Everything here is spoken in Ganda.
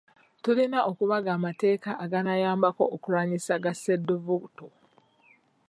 Tulina okubaga amateeka aganaayambako okulwanyisa ga ssedduvvuto.